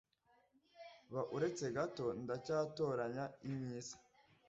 ba uretse gato, ndacyatoranya imyiza